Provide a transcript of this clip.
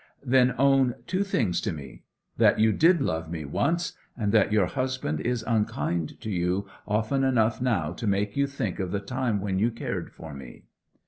'Then own two things to me; that you did love me once, and that your husband is unkind to you often enough now to make you think of the time when you cared for me.'